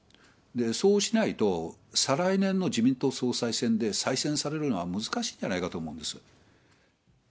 そうしないと、再来年の総裁選で再選されるのは難しいんじゃないかと思うんですよ。